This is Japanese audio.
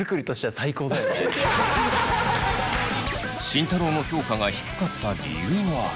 慎太郎の評価が低かった理由は。